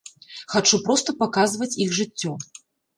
Хачу проста паказваць іх жыццё.